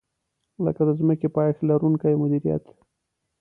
لکه د ځمکې پایښت لرونکې مدیریت.